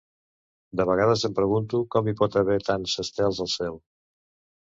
De vegades em pregunto com hi pot haver tants estels al cel.